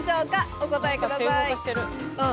お答えください。